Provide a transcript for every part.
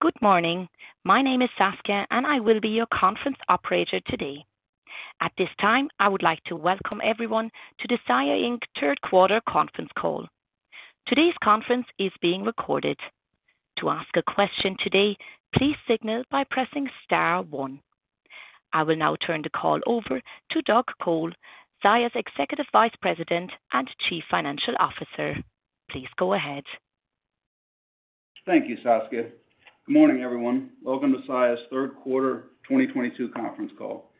Good morning. My name is Saskia, and I will be your conference operator today. At this time, I would like to welcome everyone to the Saia, Inc. third quarter conference call. Today's conference is being recorded. To ask a question today, please signal by pressing star one. I will now turn the call over to Doug Col, Saia's Executive Vice President and Chief Financial Officer. Please go ahead. Thank you, Saskia. Good morning, everyone. Welcome to Saia's third quarter 2022 conference call.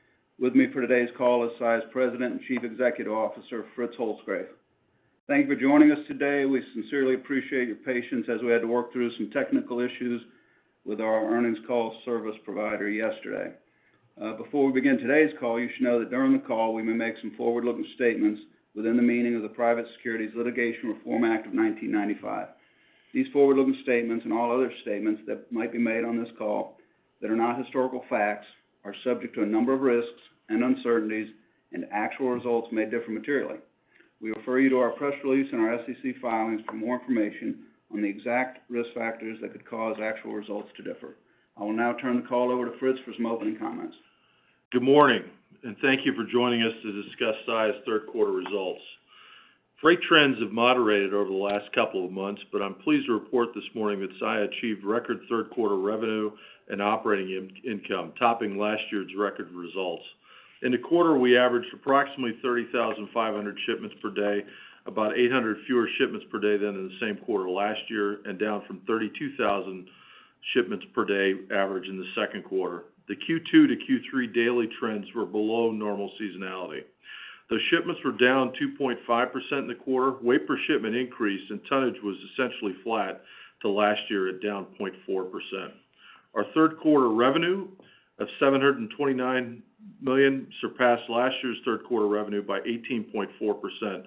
With me for today's call is Saia's President and Chief Executive Officer, Fritz Holzgrefe. Thank you for joining us today. We sincerely appreciate your patience as we had to work through some technical issues with our earnings call service provider yesterday. Before we begin today's call, you should know that during the call we may make some forward-looking statements within the meaning of the Private Securities Litigation Reform Act of 1995. These forward-looking statements and all other statements that might be made on this call that are not historical facts are subject to a number of risks and uncertainties, and actual results may differ materially. We refer you to our press release and our SEC filings for more information on the exact risk factors that could cause actual results to differ. I will now turn the call over to Fritz for some opening comments. Good morning, and thank you for joining us to discuss Saia's third quarter results. Freight trends have moderated over the last couple of months. I'm pleased to report this morning that Saia achieved record third quarter revenue and operating in-income, topping last year's record results. In the quarter, we averaged approximately 30,500 shipments per day, about 800 fewer shipments per day than in the same quarter last year and down from 32,000 shipments per day average in the second quarter. The Q2 to Q3 daily trends were below normal seasonality. The shipments were down 2.5% in the quarter. Weight per shipment increased and tonnage was essentially flat to last year at down 0.4%. Our third quarter revenue of $729 million surpassed last year's third quarter revenue by 18.4%,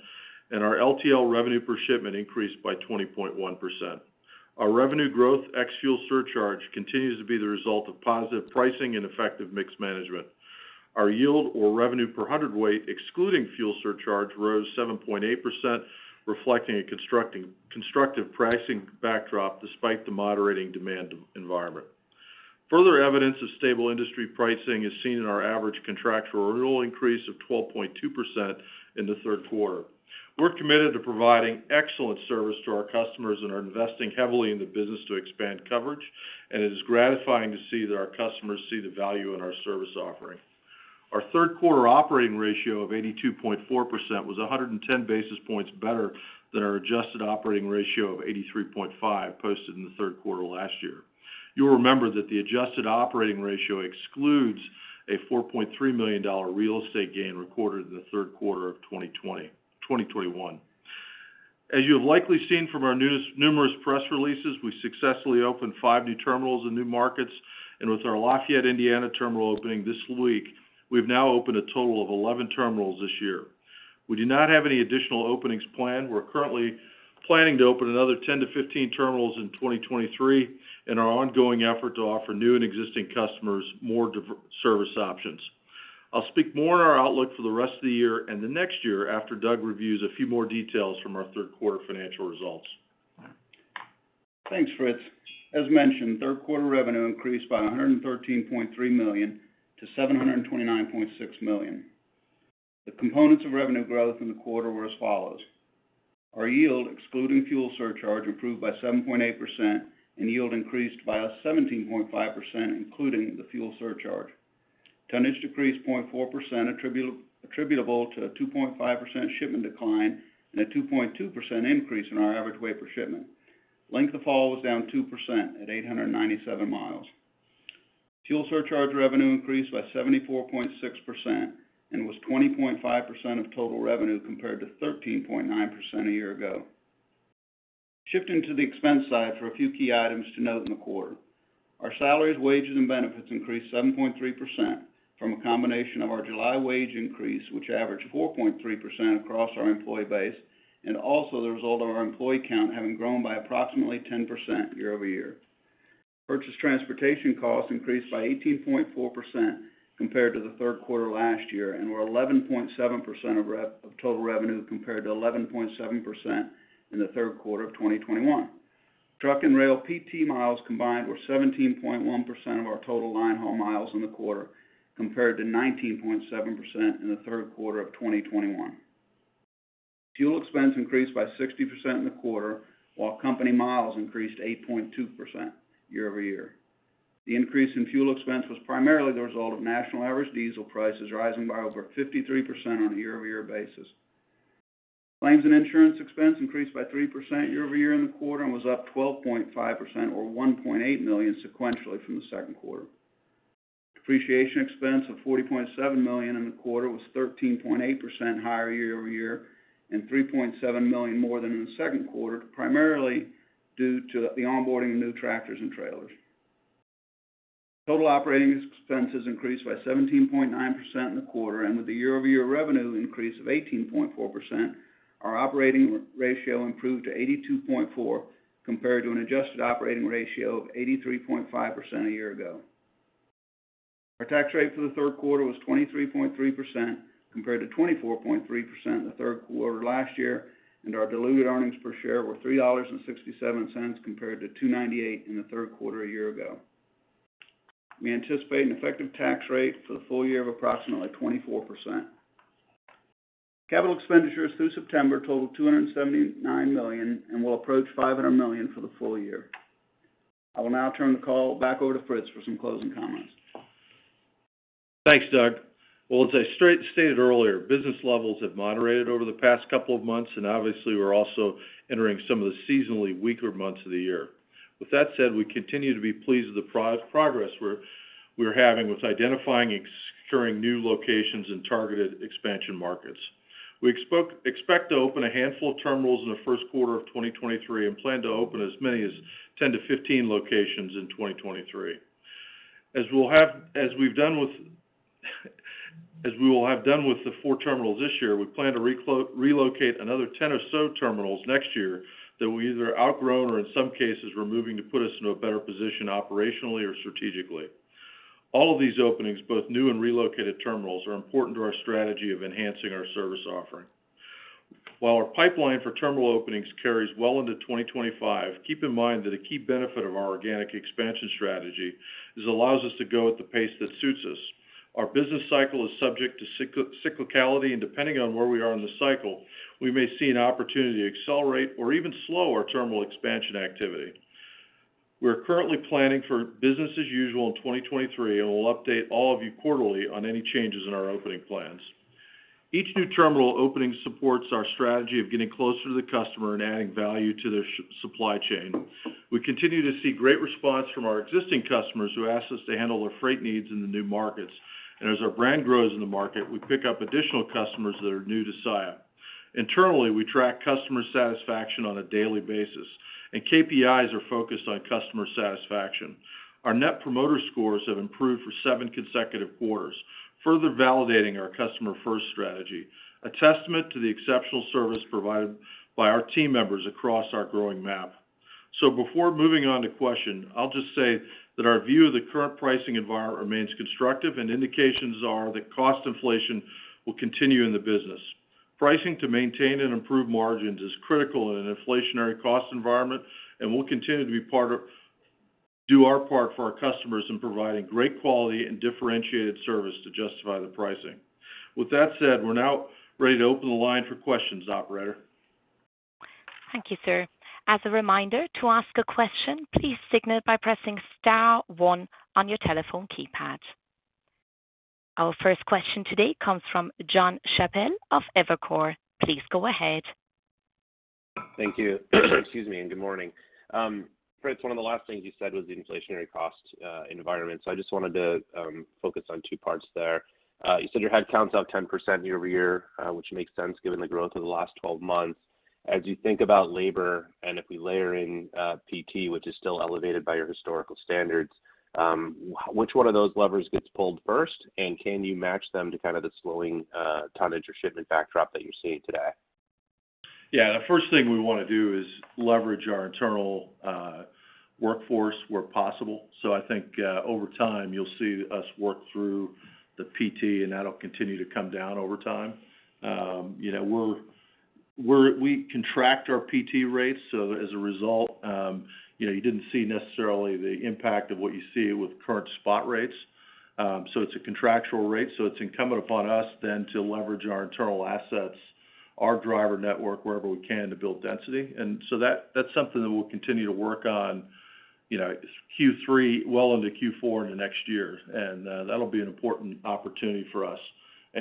and our LTL revenue per shipment increased by 20.1%. Our revenue growth, ex-fuel surcharge, continues to be the result of positive pricing and effective mix management. Our yield or revenue per hundredweight, excluding fuel surcharge, rose 7.8%, reflecting a constructive pricing backdrop despite the moderating demand environment. Further evidence of stable industry pricing is seen in our average contractual renewal increase of 12.2% in the third quarter. We're committed to providing excellent service to our customers and are investing heavily in the business to expand coverage, and it is gratifying to see that our customers see the value in our service offering. Our third quarter operating ratio of 82.4% was 110 basis points better than our adjusted operating ratio of 83.5 posted in the third quarter last year. You'll remember that the adjusted operating ratio excludes a $4.3 million real estate gain recorded in the third quarter of 2021. As you have likely seen from our numerous press releases, we successfully opened five new terminals in new markets, and with our Lafayette, Indiana terminal opening this week, we've now opened a total of 11 terminals this year. We do not have any additional openings planned. We're currently planning to open another 10 to 15 terminals in 2023 in our ongoing effort to offer new and existing customers more service options. I'll speak more on our outlook for the rest of the year and the next year after Doug reviews a few more details from our third quarter financial results. Thanks, Fritz. As mentioned, third quarter revenue increased by $113.3 million to $729.6 million. The components of revenue growth in the quarter were as follows, our yield, excluding fuel surcharge, improved by 7.8%, and yield increased by 17.5%, including the fuel surcharge. Tonnage decreased 0.4%, attributable to a 2.5% shipment decline and a 2.2% increase in our average weight per shipment. Length of haul was down 2% at 897 miles. Fuel surcharge revenue increased by 74.6% and was 20.5% of total revenue compared to 13.9% a year ago. Shifting to the expense side for a few key items to note in the quarter. Our salaries, wages, and benefits increased 7.3% from a combination of our July wage increase, which averaged 4.3% across our employee base, and also the result of our employee count having grown by approximately 10% year-over-year. Purchase transportation costs increased by 18.4% compared to the third quarter last year, and were 11.7% of total revenue compared to 11.7% in the third quarter of 2021. Truck and rail PT miles combined were 17.1% of our total line haul miles in the quarter compared to 19.7% in the third quarter of 2021. Fuel expense increased by 60% in the quarter, while company miles increased 8.2% year-over-year. The increase in fuel expense was primarily the result of national average diesel prices rising by over 53% on a year-over-year basis. Claims and insurance expense increased by 3% year-over-year in the quarter and was up 12.5% or $1.8 million sequentially from the second quarter. Depreciation expense of $40.7 million in the quarter was 13.8% higher year-over-year and $3.7 million more than in the second quarter, primarily due to the onboarding of new tractors and trailers. Total operating expenses increased by 17.9% in the quarter, and with a year-over-year revenue increase of 18.4%, our operating ratio improved to 82.4%, compared to an adjusted operating ratio of 83.5% a year ago. Our tax rate for the third quarter was 23.3% compared to 24.3% in the third quarter last year, and our diluted earnings per share were $3.67 compared to $2.98 in the third quarter a year ago. We anticipate an effective tax rate for the full year of approximately 24%. Capital expenditures through September totaled $279 million and will approach $500 million for the full year. I will now turn the call back over to Fritz for some closing comments. Thanks, Doug. Well, as I stated earlier, business levels have moderated over the past couple of months, and obviously we're also entering some of the seasonally weaker months of the year. With that said, we continue to be pleased with the progress we're having with identifying and securing new locations in targeted expansion markets. We expect to open a handful of terminals in the first quarter of 2023, and plan to open as many as 10-15 locations in 2023. As we will have done with the four terminals this year, we plan to relocate another 10 or so terminals next year that we've either outgrown or, in some cases, we're moving to put us in a better position operationally or strategically. All of these openings, both new and relocated terminals, are important to our strategy of enhancing our service offering. While our pipeline for terminal openings carries well into 2025, keep in mind that a key benefit of our organic expansion strategy is it allows us to go at the pace that suits us. Our business cycle is subject to cyclicality, and depending on where we are in the cycle, we may see an opportunity to accelerate or even slow our terminal expansion activity. We are currently planning for business as usual in 2023, and we'll update all of you quarterly on any changes in our opening plans. Each new terminal opening supports our strategy of getting closer to the customer and adding value to their supply chain. We continue to see great response from our existing customers who ask us to handle their freight needs in the new markets. As our brand grows in the market, we pick up additional customers that are new to Saia. Internally, we track customer satisfaction on a daily basis, and KPIs are focused on customer satisfaction. Our Net Promoter Scores have improved for seven consecutive quarters, further validating our customer-first strategy, a testament to the exceptional service provided by our team members across our growing map. Before moving on to question, I'll just say that our view of the current pricing environment remains constructive, and indications are that cost inflation will continue in the business. Pricing to maintain and improve margins is critical in an inflationary cost environment, and we'll continue to do our part for our customers in providing great quality and differentiated service to justify the pricing. With that said, we're now ready to open the line for questions, operator. Thank you, sir. As a reminder, to ask a question, please signal by pressing star one on your telephone keypad. Our first question today comes from Jon Chappell of Evercore. Please go ahead. Thank you. Excuse me, and good morning. Fritz, one of the last things you said was the inflationary cost environment. I just wanted to focus on two parts there. You said your headcounts up 10% year-over-year, which makes sense given the growth of the last 12 months. As you think about labor, and if we layer in PT, which is still elevated by your historical standards, which one of those levers gets pulled first? Can you match them to kind of the slowing tonnage or shipment backdrop that you're seeing today? Yeah. The first thing we want to do is leverage our internal workforce where possible. I think over time, you'll see us work through the PT, and that'll continue to come down over time. You know, we contract our PT rates, so as a result, you know, you didn't see necessarily the impact of what you see with current spot rates. It's a contractual rate, so it's incumbent upon us then to leverage our internal assets, our driver network wherever we can to build density. That's something that we'll continue to work on, you know, Q3, well into Q4 in the next year. That'll be an important opportunity for us,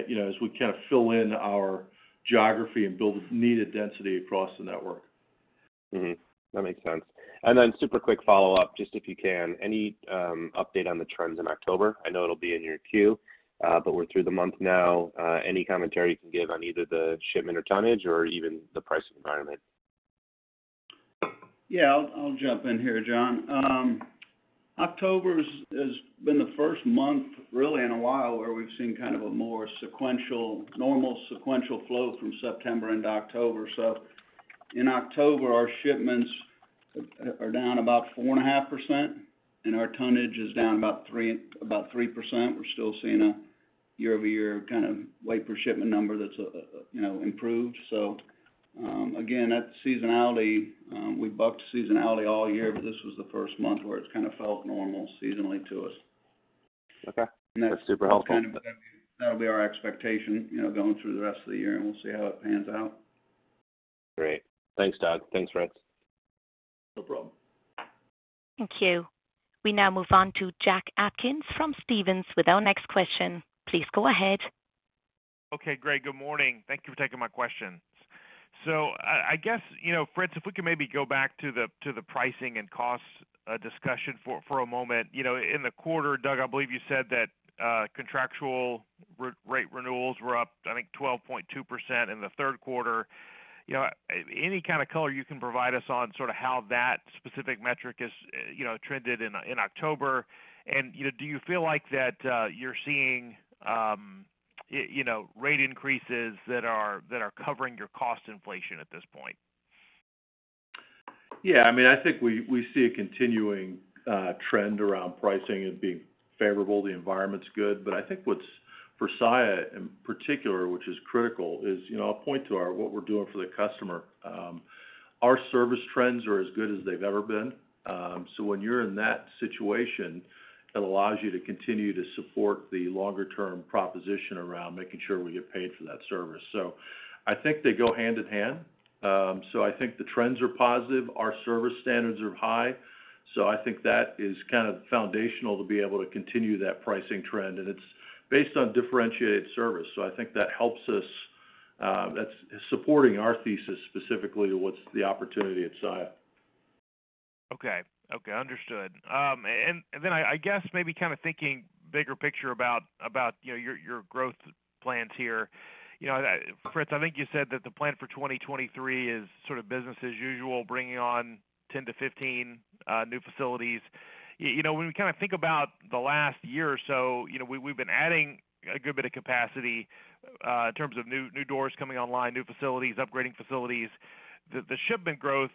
you know, as we kind of fill in our geography and build needed density across the network. Mm-hmm. That makes sense. Super quick follow-up, just if you can, any update on the trends in October? I know it'll be in your queue, but we're through the month now. Any commentary you can give on either the shipment or tonnage or even the pricing environment? Yeah. I'll jump in here, Jon. October has been the first month really in a while where we've seen kind of a more sequential, normal sequential flow from September into October. In October, our shipments are down about 4.5%, and our tonnage is down about 3%. We're still seeing a year-over-year kind of weight per shipment number that's, you know, improved. Again, that seasonality, we bucked seasonality all year, but this was the first month where it's kind of felt normal seasonally to us. Okay. That's super helpful. That's kind of gonna be, that'll be our expectation, you know, going through the rest of the year, and we'll see how it pans out. Great. Thanks, Doug. Thanks, Fritz. No problem. Thank you. We now move on to Jack Atkins from Stephens with our next question. Please go ahead. Okay, great. Good morning. Thank you for taking my questions. I guess, you know, Fritz, if we could maybe go back to the pricing and cost discussion for a moment. You know, in the quarter, Doug, I believe you said that contractual re-rate renewals were up, I think, 12.2% in the third quarter. You know, any kind of color you can provide us on sort of how that specific metric is, you know, trended in October? You know, do you feel like that you're seeing, you know, rate increases that are covering your cost inflation at this point? Yeah, I mean, I think we see a continuing trend around pricing and being favorable. The environment's good. I think what's for Saia in particular, which is critical, is, you know, I'll point to what we're doing for the customer. Our service trends are as good as they've ever been. When you're in that situation, it allows you to continue to support the longer-term proposition around making sure we get paid for that service. I think they go hand in hand. I think the trends are positive. Our service standards are high. I think that is kind of foundational to be able to continue that pricing trend, and it's based on differentiated service. I think that helps us, that's supporting our thesis specifically to what's the opportunity at Saia. Okay. Understood. I guess maybe kind of thinking bigger picture about you know your growth plans here. You know, Fritz, I think you said that the plan for 2023 is sort of business as usual, bringing on 10-15 new facilities. You know, when we kind of think about the last year or so, you know, we have been adding a good bit of capacity in terms of new doors coming online, new facilities, upgrading facilities. The shipment growth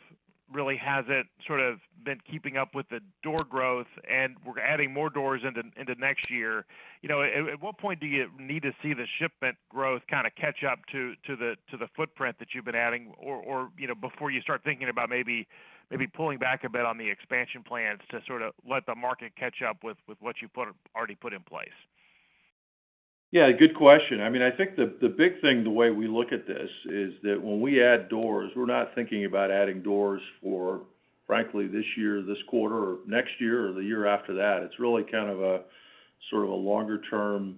really hasn't sort of been keeping up with the door growth, and we're adding more doors into next year. You know, at what point do you need to see the shipment growth kind of catch up to the footprint that you've been adding or, you know, before you start thinking about maybe pulling back a bit on the expansion plans to sort of let the market catch up with what you already put in place? Yeah, good question. I mean, I think the big thing, the way we look at this is that when we add doors, we're not thinking about adding doors for, frankly, this year, this quarter, or next year or the year after that. It's really kind of a sort of a longer-term,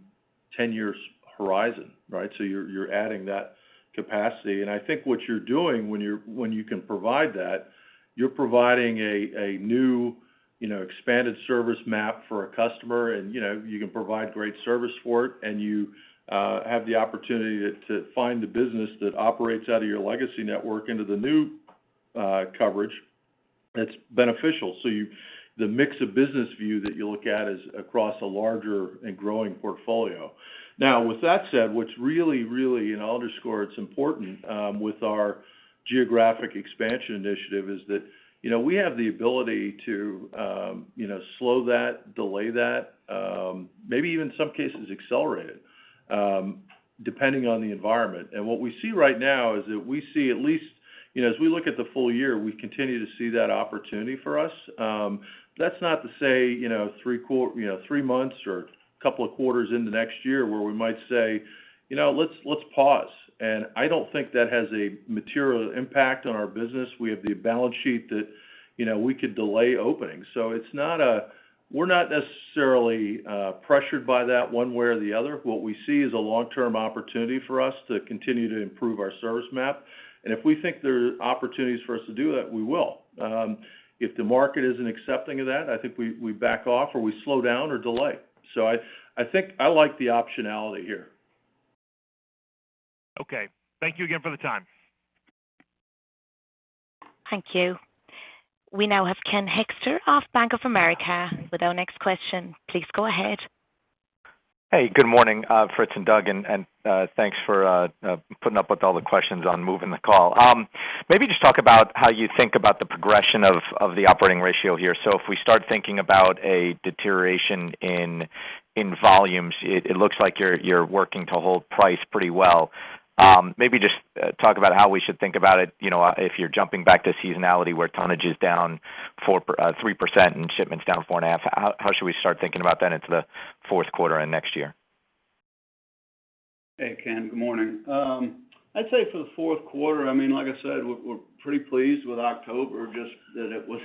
10-year horizon, right? You're adding that capacity. I think what you're doing when you can provide that, you're providing a new, you know, expanded service map for a customer and, you know, you can provide great service for it and you have the opportunity to find the business that operates out of your legacy network into the new coverage that's beneficial. The mix of business view that you look at is across a larger and growing portfolio. Now with that said, what's really, and I'll underscore it's important, with our geographic expansion initiative is that, you know, we have the ability to, you know, slow that, delay that, maybe even some cases accelerate it, depending on the environment. What we see right now is that we see at least, you know, as we look at the full year, we continue to see that opportunity for us. That's not to say, you know, three months or a couple of quarters into next year where we might say, "You know, let's pause." I don't think that has a material impact on our business. We have the balance sheet that, you know, we could delay openings. It's not. We're not necessarily pressured by that one way or the other. What we see is a long-term opportunity for us to continue to improve our service map. If we think there are opportunities for us to do that, we will. If the market isn't accepting of that, I think we back off or we slow down or delay. I think I like the optionality here. Okay. Thank you again for the time. Thank you. We now have Ken Hoexter of Bank of America with our next question. Please go ahead. Hey, good morning, Fritz and Doug, and thanks for putting up with all the questions on moving the call. Maybe just talk about how you think about the progression of the operating ratio here. If we start thinking about a deterioration in volumes, it looks like you're working to hold price pretty well. Maybe just talk about how we should think about it, you know, if you're jumping back to seasonality where tonnage is down 3% and shipments down 4.5%, how should we start thinking about that into the fourth quarter and next year? Hey, Ken. Good morning. I'd say for the fourth quarter, I mean, like I said, we're pretty pleased with October. Just that it was,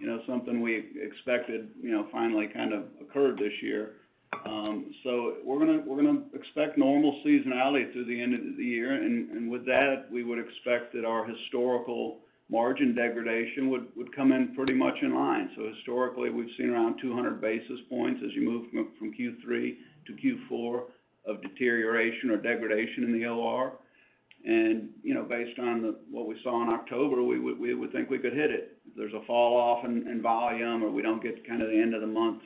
you know, something we expected, you know, finally kind of occurred this year. We're gonna expect normal seasonality through the end of the year. With that, we would expect that our historical margin degradation would come in pretty much in line. Historically, we've seen around 200 basis points as you move from Q3 to Q4 of deterioration or degradation in the OR. You know, based on what we saw in October, we would think we could hit it. If there's a fall off in volume or we don't get to kind of the end of the month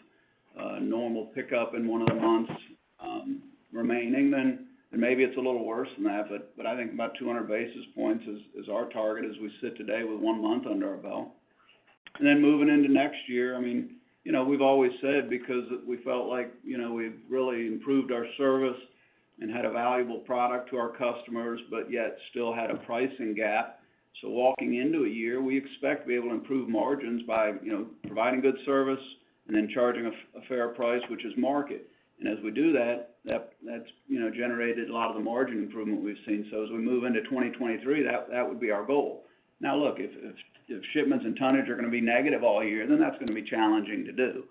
normal pickup in one of the months remaining, then maybe it's a little worse than that. I think about 200 basis points is our target as we sit today with one month under our belt. Moving into next year, I mean, you know, we've always said because we felt like, you know, we've really improved our service and had a valuable product to our customers, but yet still had a pricing gap. Walking into a year, we expect to be able to improve margins by, you know, providing good service and then charging a fair price, which is market. As we do that's, you know, generated a lot of the margin improvement we've seen. As we move into 2023, that would be our goal. Now look, if shipments and tonnage are gonna be negative all year, then that's gonna be challenging to do.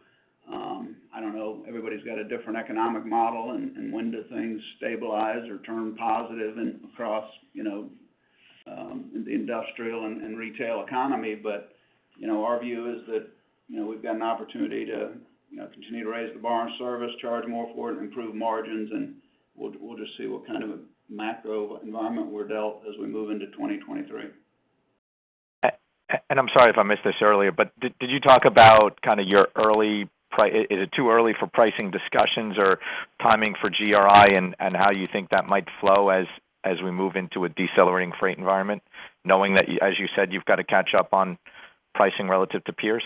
I don't know, everybody's got a different economic model and when do things stabilize or turn positive across, you know, the industrial and retail economy. Our view is that, you know, we've got an opportunity to, you know, continue to raise the bar on service, charge more for it, improve margins, and we'll just see what kind of a macro environment we're dealt as we move into 2023. I'm sorry if I missed this earlier, but did you talk about is it too early for pricing discussions or timing for GRI and how you think that might flow as we move into a decelerating freight environment, knowing that as you said, you've got to catch up on pricing relative to peers?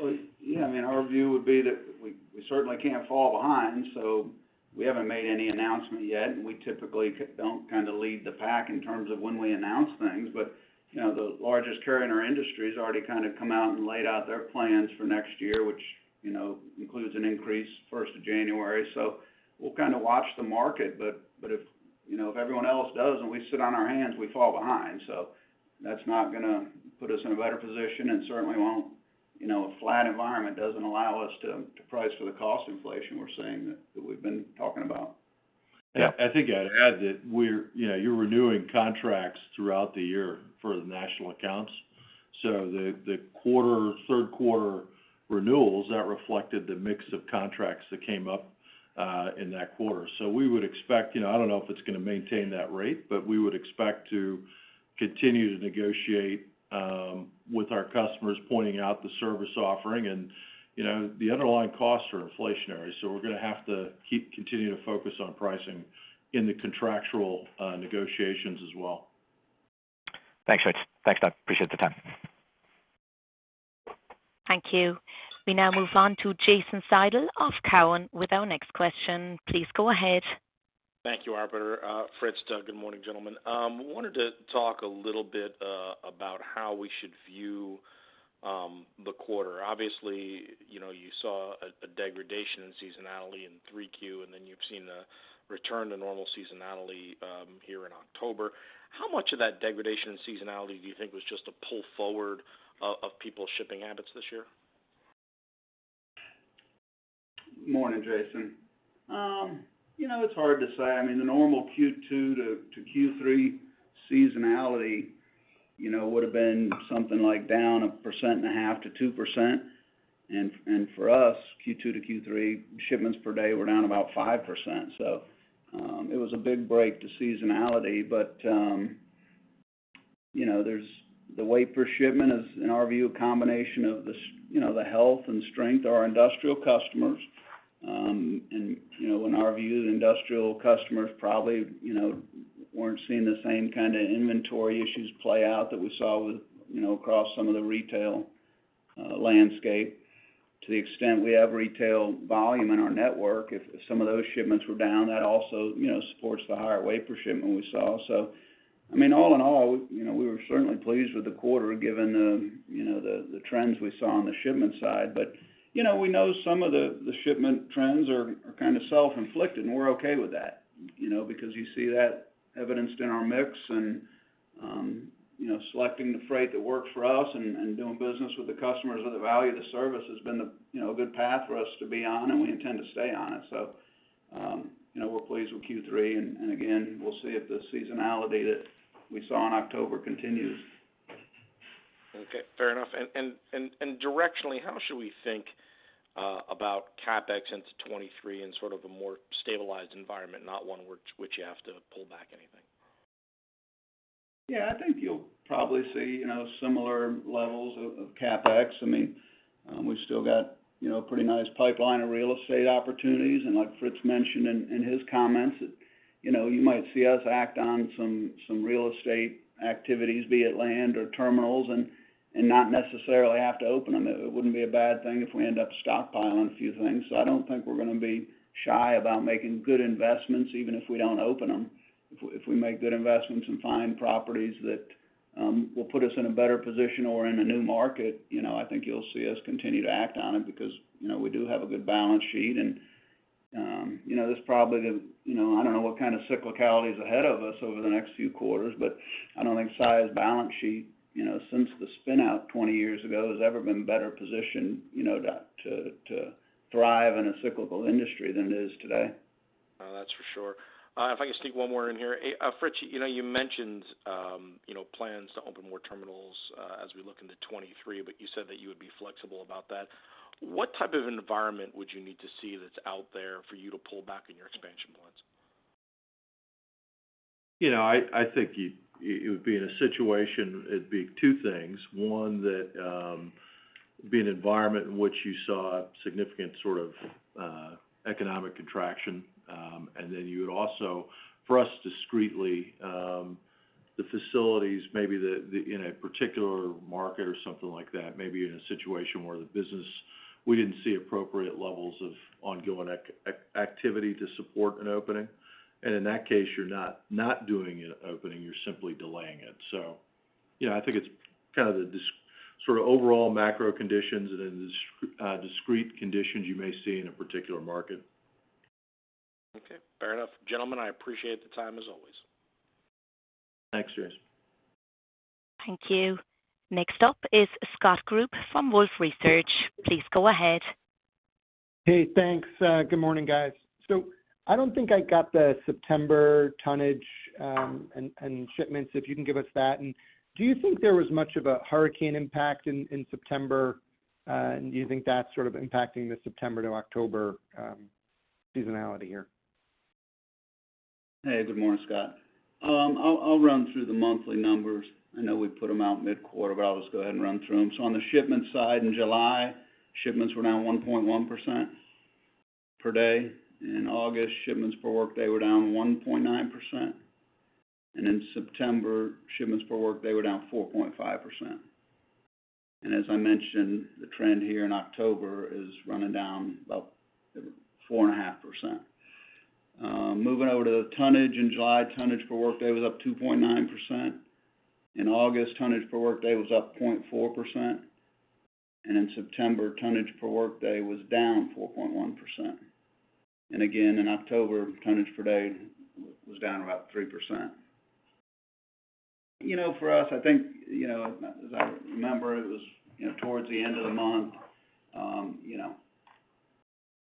Well, yeah, I mean, our view would be that we certainly can't fall behind, so we haven't made any announcement yet, and we typically don't kinda lead the pack in terms of when we announce things. You know, the largest carrier in our industry has already kinda come out and laid out their plans for next year, which, you know, includes an increase first of January. We'll kinda watch the market, but if, you know, if everyone else does and we sit on our hands, we fall behind. That's not gonna put us in a better position and certainly won't. You know, a flat environment doesn't allow us to price for the cost inflation we're seeing that we've been talking about. Yeah, I think I'd add that you're renewing contracts throughout the year for the national accounts. The third quarter renewals reflected the mix of contracts that came up in that quarter. We would expect, you know, I don't know if it's gonna maintain that rate, but we would expect to continue to negotiate with our customers pointing out the service offering. You know, the underlying costs are inflationary, so we're gonna have to keep continuing to focus on pricing in the contractual negotiations as well. Thanks, Fritz. Thanks, Doug. Appreciate the time. Thank you. We now move on to Jason Seidl of Cowen with our next question. Please go ahead. Thank you, operator. Fritz, Doug, good morning, gentlemen. Wanted to talk a little bit about how we should view the quarter. Obviously, you know, you saw a degradation in seasonality in 3Q, and then you've seen a return to normal seasonality here in October. How much of that degradation in seasonality do you think was just a pull forward of people's shipping habits this year? Morning, Jason. You know, it's hard to say. I mean, the normal Q2 to Q3 seasonality, you know, would have been something like down 1.5%-2%. For us, Q2 to Q3 shipments per day were down about 5%. It was a big break to seasonality. You know, there's the weight per shipment is, in our view, a combination of the health and strength of our industrial customers. And, you know, in our view, the industrial customers probably, you know, weren't seeing the same kinda inventory issues play out that we saw with, you know, across some of the retail landscape. To the extent we have retail volume in our network, if some of those shipments were down, that also, you know, supports the higher weight per shipment we saw. I mean, all in all, you know, we were certainly pleased with the quarter given the, you know, trends we saw on the shipment side. You know, we know some of the shipment trends are kinda self-inflicted, and we're okay with that, you know, because you see that evidenced in our mix and, you know, selecting the freight that works for us and doing business with the customers that value the service has been a, you know, a good path for us to be on, and we intend to stay on it. You know, we're pleased with Q3. Again, we'll see if the seasonality that we saw in October continues. Okay, fair enough. Directionally, how should we think about CapEx into 2023 in sort of a more stabilized environment, not one which you have to pull back anything? Yeah. I think you'll probably see, you know, similar levels of CapEx. I mean, we've still got, you know, a pretty nice pipeline of real estate opportunities. Like Fritz mentioned in his comments, you know, you might see us act on some real estate activities, be it land or terminals and not necessarily have to open them. It wouldn't be a bad thing if we end up stockpiling a few things. I don't think we're gonna be shy about making good investments, even if we don't open them. If we make good investments and find properties that will put us in a better position or in a new market, you know, I think you'll see us continue to act on it because, you know, we do have a good balance sheet. You know, that's probably the. You know, I don't know what kind of cyclicality is ahead of us over the next few quarters, but I don't think Saia's balance sheet, you know, since the spin-out 20 years ago, has ever been better positioned, you know, to thrive in a cyclical industry than it is today. No, that's for sure. If I can sneak one more in here. Fritz, you know, you mentioned, you know, plans to open more terminals, as we look into 2023, but you said that you would be flexible about that. What type of environment would you need to see that's out there for you to pull back on your expansion plans? You know, I think you would be in a situation, it'd be two things. One, that be an environment in which you saw significant sort of economic contraction. And then you would also, for us, discrete, the facilities, maybe the in a particular market or something like that, maybe in a situation where the business, we didn't see appropriate levels of ongoing activity to support an opening. In that case, you're not doing an opening, you're simply delaying it. You know, I think it's kind of the sort of overall macro conditions and then the discrete conditions you may see in a particular market. Okay. Fair enough. Gentlemen, I appreciate the time as always. Thanks, Jason. Thank you. Next up is Scott Group from Wolfe Research. Please go ahead. Hey, thanks. Good morning, guys. I don't think I got the September tonnage, and shipments, if you can give us that. Do you think there was much of a hurricane impact in September? Do you think that's sort of impacting the September to October seasonality here? Hey, good morning, Scott. I'll run through the monthly numbers. I know we put them out mid-quarter, but I'll just go ahead and run through them. On the shipment side, in July, shipments were down 1.1% per day. In August, shipments per workday were down 1.9%. In September, shipments per workday were down 4.5%. As I mentioned, the trend here in October is running down about 4.5%. Moving over to tonnage. In July, tonnage per workday was up 2.9%. In August, tonnage per workday was up 0.4%. In September, tonnage per workday was down 4.1%. In October, tonnage per day was down about 3%. You know, for us, I think, you know, as I remember, it was, you know, towards the end of the month, you know,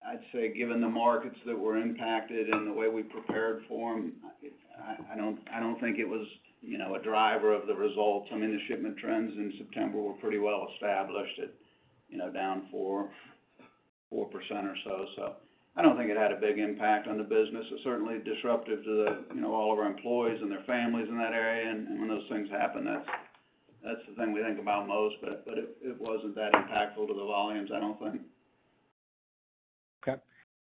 I'd say given the markets that were impacted and the way we prepared for them, I don't think it was, you know, a driver of the results. I mean, the shipment trends in September were pretty well established at, you know, down 4% or so. So I don't think it had a big impact on the business. It certainly disrupted the, you know, all of our employees and their families in that area. When those things happen, that's the thing we think about most. But it wasn't that impactful to the volumes, I don't think. Okay.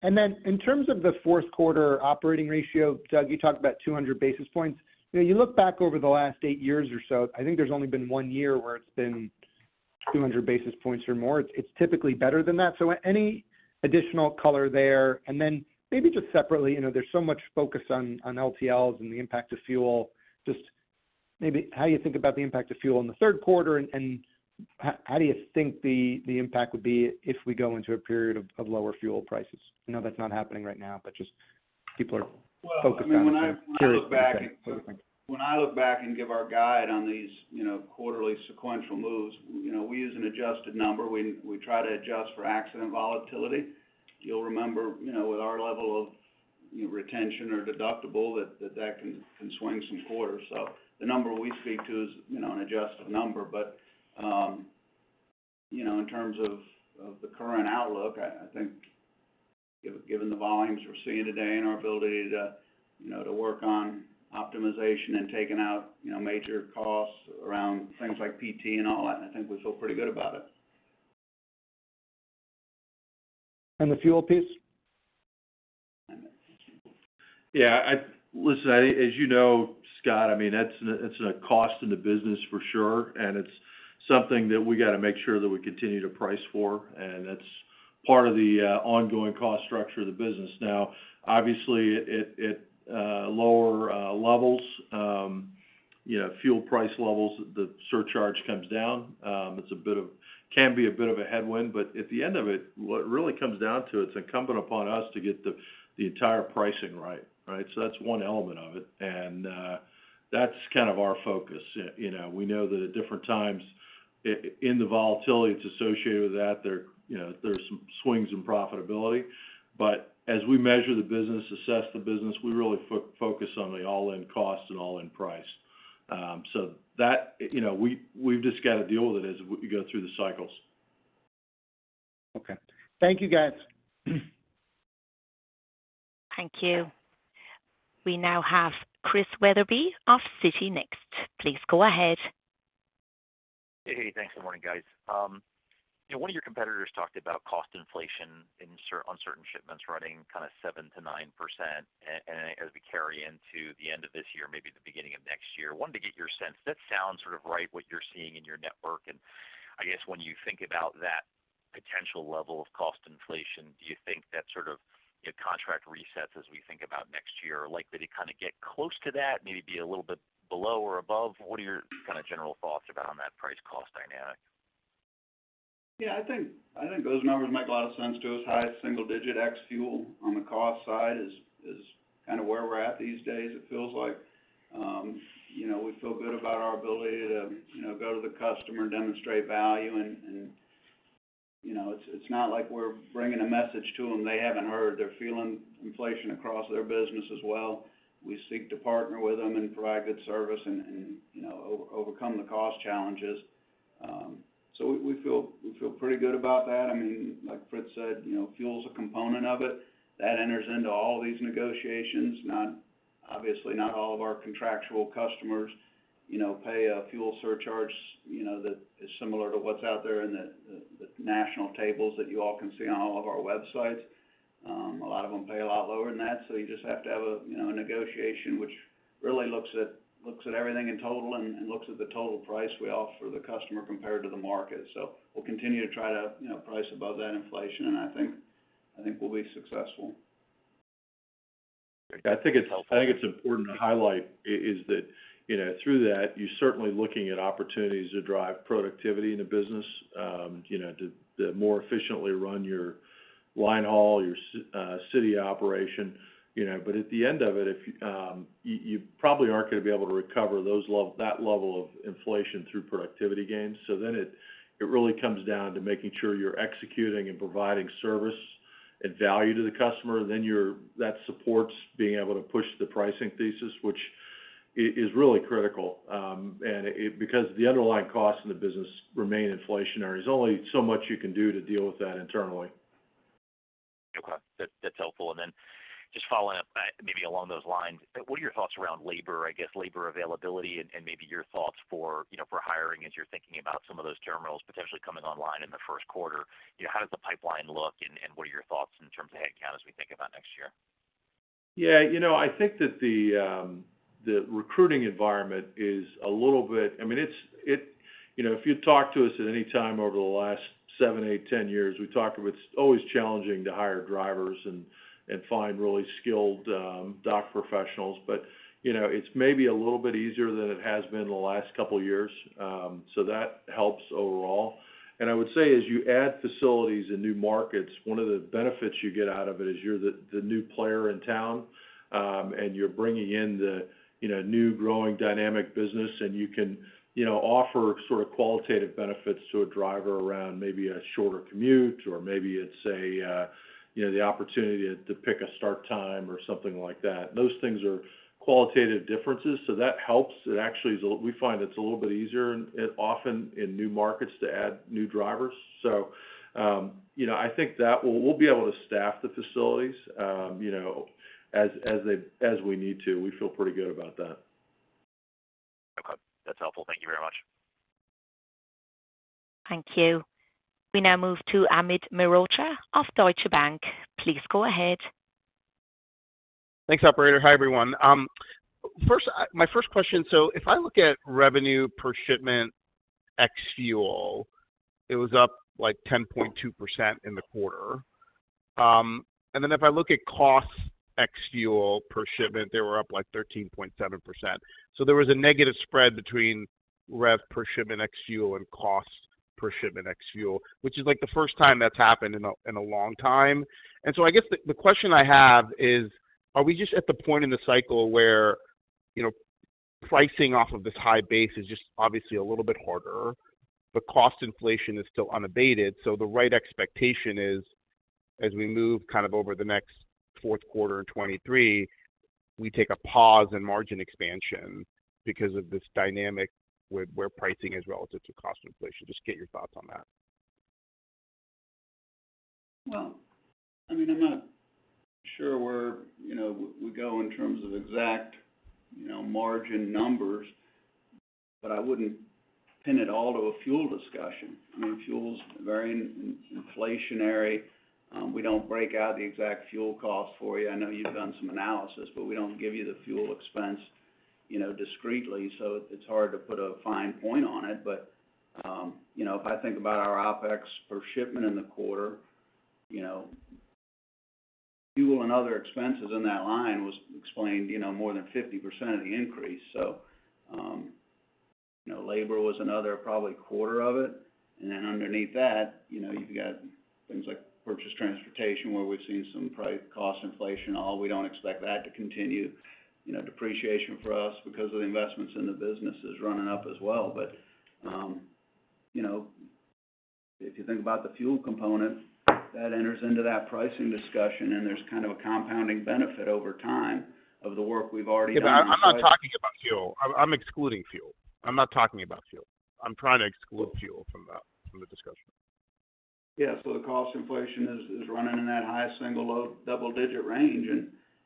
In terms of the fourth quarter operating ratio, Doug, you talked about 200 basis points. You know, you look back over the last 8 years or so, I think there's only been 1 year where it's been 200 basis points or more. It's typically better than that. Any additional color there? Then maybe just separately, you know, there's so much focus on LTLs and the impact of fuel, just maybe how you think about the impact of fuel in the third quarter, and how do you think the impact would be if we go into a period of lower fuel prices? I know that's not happening right now, but just people are focused on it and curious. Well, I mean, when I look back. Thank you. When I look back and give our guide on these, you know, quarterly sequential moves, you know, we use an adjusted number. We try to adjust for accident volatility. You'll remember, you know, with our level of, you know, retention or deductible that can swing some quarters. The number we speak to is, you know, an adjusted number. You know, in terms of the current outlook, I think given the volumes we're seeing today and our ability to, you know, to work on optimization and taking out, you know, major costs around things like PT and all that, I think we feel pretty good about it. The fuel piece? Yeah. Listen, as you know, Scott, I mean, that's, it's a cost in the business for sure, and it's something that we got to make sure that we continue to price for, and it's part of the ongoing cost structure of the business. Now, obviously, at lower levels, you know, fuel price levels, the surcharge comes down. It's a bit of a headwind, but at the end of it, what it really comes down to, it's incumbent upon us to get the entire pricing right. Right? So that's one element of it. That's kind of our focus. You know, we know that at different times in the volatility that's associated with that, you know, there's some swings in profitability. As we measure the business, assess the business, we really focus on the all-in cost and all-in price. That, you know, we've just got to deal with it as we go through the cycles. Okay. Thank you, guys. Thank you. We now have Chris Wetherbee of Citi next. Please go ahead. Hey. Thanks. Good morning, guys. You know, one of your competitors talked about cost inflation on certain shipments running kind of 7%-9% as we carry into the end of this year, maybe the beginning of next year. Wanted to get your sense. That sounds sort of right what you're seeing in your network. I guess when you think about that potential level of cost inflation, do you think that sort of your contract resets as we think about next year are likely to kind of get close to that, maybe be a little bit below or above? What are your kind of general thoughts on that price-cost dynamic? Yeah. I think those numbers make a lot of sense to us. High single digit ex-fuel on the cost side is kind of where we're at these days, it feels like. You know, we feel good about our ability to go to the customer, demonstrate value, and you know, it's not like we're bringing a message to them they haven't heard. They're feeling inflation across their business as well. We seek to partner with them and provide good service and you know, overcome the cost challenges. We feel pretty good about that. I mean, like Fred said, you know, fuel is a component of it. That enters into all these negotiations, not obviously, not all of our contractual customers, you know, pay a fuel surcharge, you know, that is similar to what's out there in the national tables that you all can see on all of our websites. A lot of them pay a lot lower than that. You just have to have a, you know, a negotiation which really looks at everything in total and looks at the total price we offer the customer compared to the market. We'll continue to try to, you know, price above that inflation, and I think we'll be successful. I think it's important to highlight is that, you know, through that, you're certainly looking at opportunities to drive productivity in the business, you know, to more efficiently run your line haul, your city operation, you know. At the end of it, you probably aren't going to be able to recover that level of inflation through productivity gains. It really comes down to making sure you're executing and providing service and value to the customer, that supports being able to push the pricing thesis, which is really critical. Because the underlying costs in the business remain inflationary. There's only so much you can do to deal with that internally. Okay. That, that's helpful. Then just following up maybe along those lines, what are your thoughts around labor, I guess labor availability and maybe your thoughts for, you know, for hiring as you're thinking about some of those terminals potentially coming online in the first quarter? You know, how does the pipeline look, and what are your thoughts in terms of headcount as we think about next year? Yeah, you know, I think that the recruiting environment is a little bit. I mean, it's you know, if you talk to us at any time over the last seven, eight, 10 years, we talked about it's always challenging to hire drivers and find really skilled dock professionals. You know, it's maybe a little bit easier than it has been the last couple years. That helps overall. I would say, as you add facilities in new markets, one of the benefits you get out of it is you're the new player in town, and you're bringing in the you know new growing dynamic business, and you can you know offer sort of qualitative benefits to a driver around maybe a shorter commute or maybe it's a you know the opportunity to pick a start time or something like that. Those things are qualitative differences, so that helps. It actually is. We find it's a little bit easier often in new markets to add new drivers. You know, I think that we'll be able to staff the facilities you know as we need to. We feel pretty good about that. Okay. That's helpful. Thank you very much. Thank you. We now move to Amit Mehrotra of Deutsche Bank. Please go ahead. Thanks, operator. Hi, everyone. My first question: if I look at revenue per shipment ex fuel, it was up, like, 10.2% in the quarter. If I look at cost ex fuel per shipment, they were up, like, 13.7%. There was a negative spread between rev per shipment ex fuel and cost per shipment ex fuel, which is, like, the first time that's happened in a long time. I guess the question I have is, are we just at the point in the cycle where, you know, pricing off of this high base is just obviously a little bit harder, but cost inflation is still unabated, so the right expectation is, as we move kind of over the next fourth quarter in 2023, we take a pause in margin expansion because of this dynamic where pricing is relative to cost inflation? Just get your thoughts on that. Well, I mean, I'm not sure where, you know, we go in terms of exact, you know, margin numbers, but I wouldn't pin it all to a fuel discussion. I mean, fuel's very inflationary. We don't break out the exact fuel cost for you. I know you've done some analysis, but we don't give you the fuel expense, you know, discretely, so it's hard to put a fine point on it. But, you know, if I think about our OpEx per shipment in the quarter, you know, fuel and other expenses in that line was explained, you know, more than 50% of the increase. So, you know, labor was another probably quarter of it. And then underneath that, you know, you've got things like purchase transportation, where we've seen some price cost inflation, and we don't expect that to continue. You know, depreciation for us because of the investments in the business is running up as well. You know, if you think about the fuel component, that enters into that pricing discussion, and there's kind of a compounding benefit over time of the work we've already done. I'm not talking about fuel. I'm excluding fuel. I'm not talking about fuel. I'm trying to exclude fuel from that, from the discussion. Yeah. The cost inflation is running in that high single-digit, low double-digit range.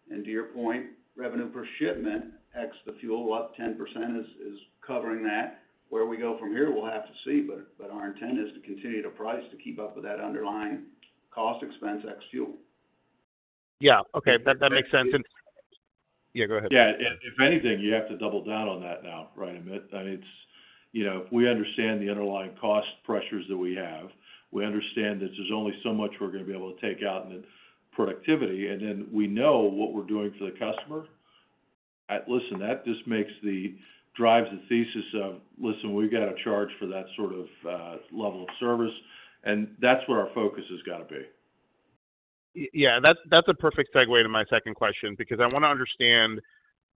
To your point, revenue per shipment ex the fuel, up 10% is covering that. Where we go from here, we'll have to see, but our intent is to continue to price to keep up with that underlying cost expense ex fuel. Yeah. Okay. That makes sense. If anything. Yeah, go ahead. Yeah. If anything, you have to double down on that now, right, Amit? I mean, it's you know, if we understand the underlying cost pressures that we have, we understand that there's only so much we're gonna be able to take out in productivity, and then we know what we're doing for the customer. Listen, that just drives the thesis of, listen, we've got to charge for that sort of level of service, and that's where our focus has got to be. Yeah. That's a perfect segue to my second question because I wanna understand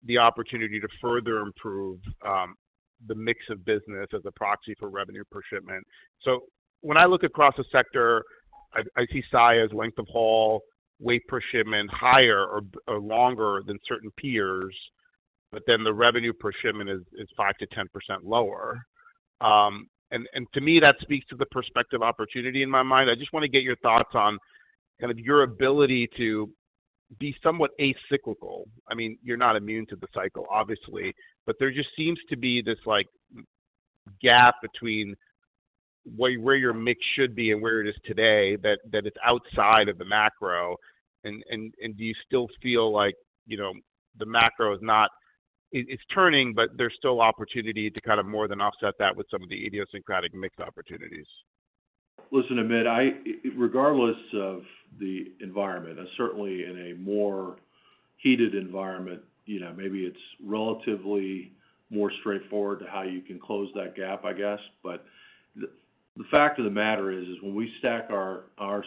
the opportunity to further improve the mix of business as a proxy for revenue per shipment. When I look across the sector, I see Saia's length of haul, weight per shipment higher or longer than certain peers, but then the revenue per shipment is 5%-10% lower. To me, that speaks to the prospective opportunity in my mind. I just wanna get your thoughts on kind of your ability to be somewhat acyclical. I mean, you're not immune to the cycle, obviously, but there just seems to be this, like, gap between where your mix should be and where it is today that it's outside of the macro. Do you still feel like, you know, the macro is not, it's turning, but there's still opportunity to kind of more than offset that with some of the idiosyncratic mix opportunities? Listen, Amit, regardless of the environment, and certainly in a more heated environment, you know, maybe it's relatively more straightforward to how you can close that gap, I guess. But the fact of the matter is when we stack our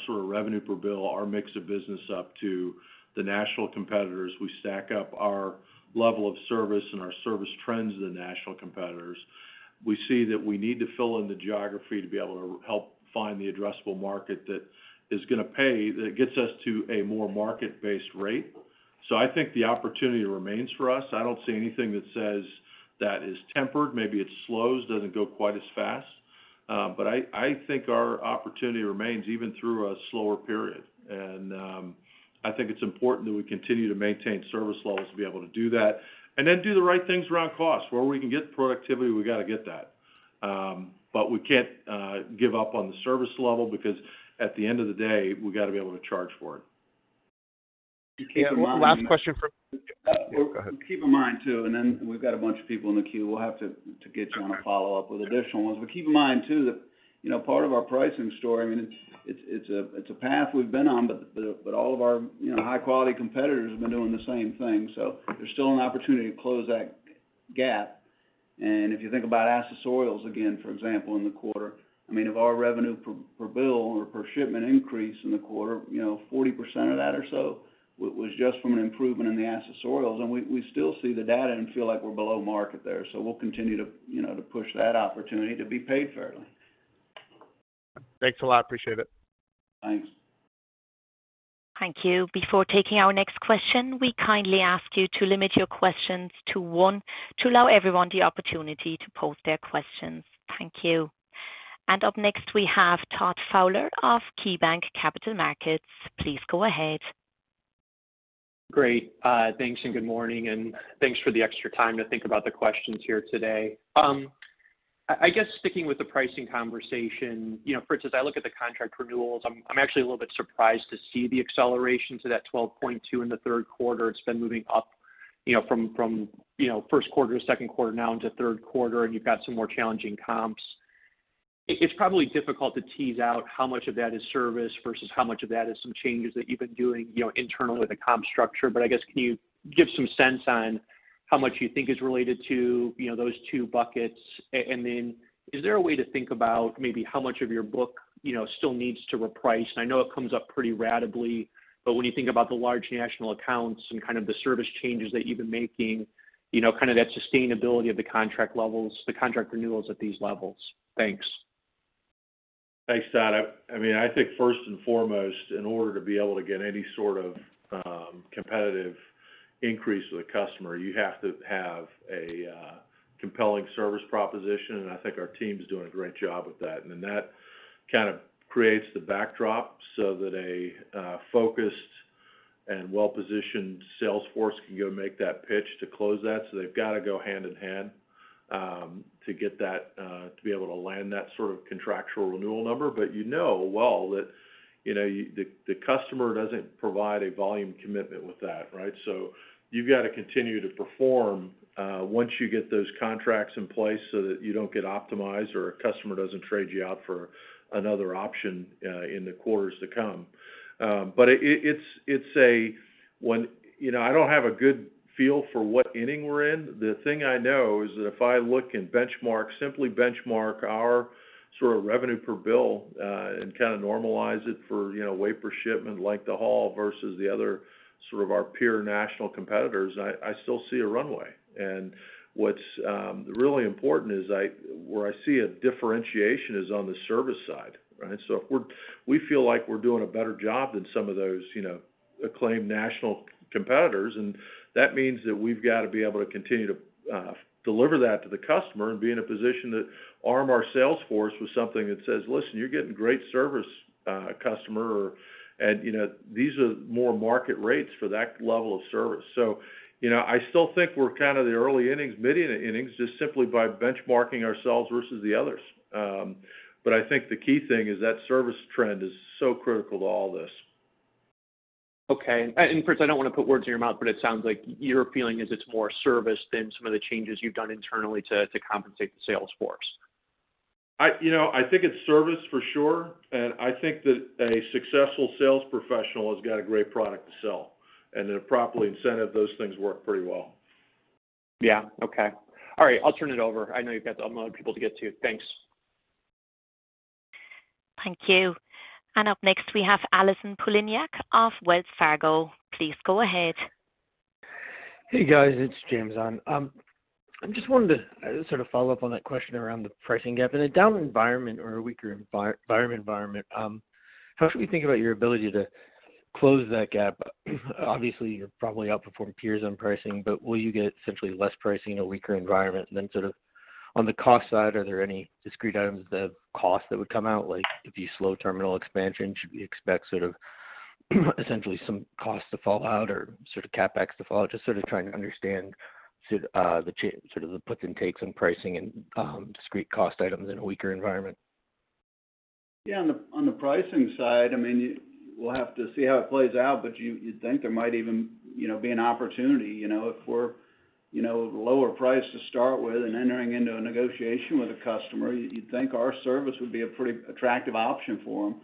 sort of revenue per bill, our mix of business up to the national competitors, we stack up our level of service and our service trends to the national competitors. We see that we need to fill in the geography to be able to help find the addressable market that is gonna pay, that gets us to a more market-based rate. I think the opportunity remains for us. I don't see anything that says that is tempered. Maybe it slows, doesn't go quite as fast, but I think our opportunity remains even through a slower period. I think it's important that we continue to maintain service levels to be able to do that. Do the right things around costs. Where we can get productivity, we got to get that. We can't give up on the service level because at the end of the day, we got to be able to charge for it. Keep in mind. Yeah. Last question for Yeah, go ahead. Keep in mind too that we've got a bunch of people in the queue. We'll have to get you on a follow-up with additional ones. Keep in mind too that, you know, part of our pricing story, I mean, it's a path we've been on, but all of our, you know, high-quality competitors have been doing the same thing. There's still an opportunity to close that gap. If you think about accessorials again, for example, in the quarter, I mean, of our revenue per bill or per shipment increase in the quarter, you know, 40% of that or so was just from an improvement in the accessorials. We still see the data and feel like we're below market there. We'll continue to push that opportunity to be paid fairly. Thanks a lot. Appreciate it. Thanks. Thank you. Before taking our next question, we kindly ask you to limit your questions to one to allow everyone the opportunity to pose their questions. Thank you. Up next we have Todd Fowler of KeyBanc Capital Markets. Please go ahead. Great. Thanks, and good morning, and thanks for the extra time to think about the questions here today. I guess sticking with the pricing conversation, you know, Fritz, as I look at the contract renewals, I'm actually a little bit surprised to see the acceleration to that 12.2% in the third quarter. It's been moving up, you know, from, you know, first quarter, second quarter now into third quarter, and you've got some more challenging comps. It's probably difficult to tease out how much of that is service versus how much of that is some changes that you've been doing, you know, internally with the comp structure. I guess, can you give some sense on how much you think is related to, you know, those two buckets? Is there a way to think about maybe how much of your book, you know, still needs to reprice? I know it comes up pretty ratably, but when you think about the large national accounts and kind of the service changes that you've been making, you know, kind of that sustainability of the contract levels, the contract renewals at these levels. Thanks. Thanks, Todd. I mean, I think first and foremost, in order to be able to get any sort of competitive increase with a customer, you have to have a compelling service proposition, and I think our team's doing a great job with that. That kind of creates the backdrop so that a focused and well-positioned sales force can go make that pitch to close that. They've got to go hand in hand to get that, to be able to land that sort of contractual renewal number. You know well that, you know, the customer doesn't provide a volume commitment with that, right? You've got to continue to perform once you get those contracts in place so that you don't get optimized or a customer doesn't trade you out for another option in the quarters to come. When, you know, I don't have a good feel for what inning we're in. The thing I know is that if I look and benchmark, simply benchmark our sort of revenue per bill and kind of normalize it for, you know, weight per shipment, length of haul versus the other sort of our peer national competitors, I still see a runway. What's really important is where I see a differentiation is on the service side, right? If we feel like we're doing a better job than some of those, you know, acclaimed national competitors, and that means that we've got to be able to continue to deliver that to the customer and be in a position to arm our sales force with something that says, "Listen, you're getting great service, customer," or, and, you know, these are more market rates for that level of service. You know, I still think we're kind of the early innings, mid-innings, just simply by benchmarking ourselves versus the others. I think the key thing is that service trend is so critical to all this. Okay. Fritz, I don't want to put words in your mouth, but it sounds like your feeling is it's more service than some of the changes you've done internally to compensate the sales force. You know, I think it's service for sure. I think that a successful sales professional has got a great product to sell. They're properly incented, those things work pretty well. Yeah. Okay. All right. I'll turn it over. I know you've got a lot of people to get to. Thanks. Thank you. Up next we have Allison Poliniak of Wells Fargo. Please go ahead. Hey, guys, it's James on. I'm just wondering to sort of follow up on that question around the pricing gap. In a down environment or a weaker environment, how should we think about your ability to close that gap? Obviously, you probably outperform peers on pricing, but will you get essentially less pricing in a weaker environment than sort of on the cost side, are there any discrete items that cost that would come out? Like, if you slow terminal expansion, should we expect sort of essentially some costs to fall out or sort of CapEx to fall out? Just sort of trying to understand sort of the puts and takes on pricing and discrete cost items in a weaker environment. Yeah. On the pricing side, I mean, you, we'll have to see how it plays out, but you'd think there might even, you know, be an opportunity, you know, if we're, you know, lower price to start with and entering into a negotiation with a customer, you'd think our service would be a pretty attractive option for them.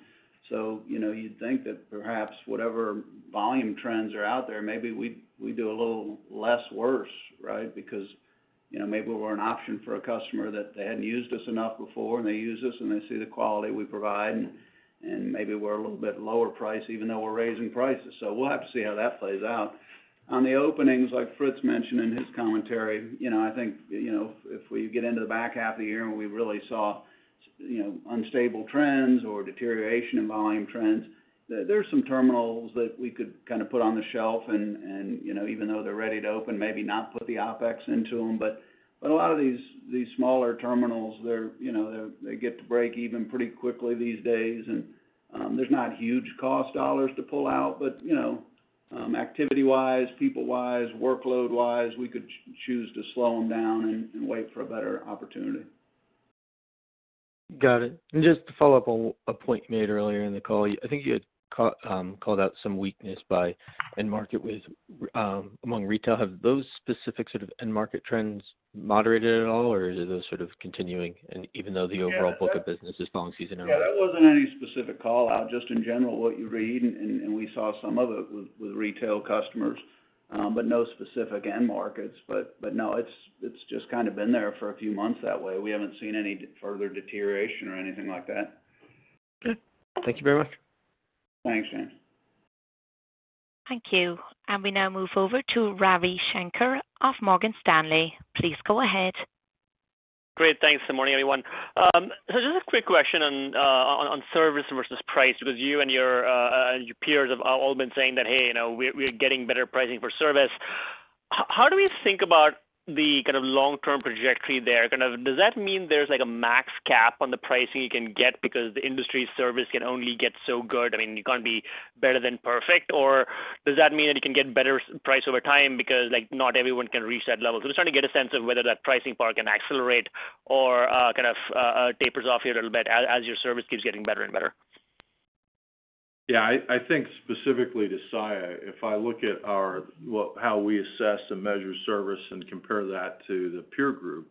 You know, you'd think that perhaps whatever volume trends are out there, maybe we do a little less worse, right? Because, you know, maybe we're an option for a customer that they hadn't used us enough before, and they use us, and they see the quality we provide, and maybe we're a little bit lower price, even though we're raising prices. We'll have to see how that plays out. On the openings, like Fritz mentioned in his commentary, you know, I think, you know, if we get into the back half of the year and we really saw, you know, unstable trends or deterioration in volume trends, there's some terminals that we could kind of put on the shelf and, you know, even though they're ready to open, maybe not put the OpEx into them. But a lot of these smaller terminals, they're, you know, they get to break even pretty quickly these days. And there's not huge cost dollars to pull out. But, you know, activity-wise, people-wise, workload-wise, we could choose to slow them down and wait for a better opportunity. Got it. Just to follow up on a point you made earlier in the call, I think you had called out some weakness by end market with among retail. Have those specific sort of end market trends moderated at all, or are those sort of continuing and even though the overall book of business is falling seasonally? Yeah, that wasn't any specific call out, just in general what you read, and we saw some of it with retail customers, but no specific end markets. No, it's just kind of been there for a few months that way. We haven't seen any further deterioration or anything like that. Okay. Thank you very much. Thanks, man. Thank you. We now move over to Ravi Shanker of Morgan Stanley. Please go ahead. Great. Thanks. Good morning, everyone. Just a quick question on service versus price, because you and your peers have all been saying that, "Hey, you know, we're getting better pricing for service." How do we think about the kind of long-term trajectory there? Kind of, does that mean there's like a max cap on the pricing you can get because the industry service can only get so good, I mean, you can't be better than perfect? Or does that mean that you can get better price over time because, like, not everyone can reach that level? I'm just trying to get a sense of whether that pricing part can accelerate or kind of tapers off here a little bit as your service keeps getting better and better. Yeah, I think specifically to Saia, if I look at our well, how we assess and measure service and compare that to the peer group,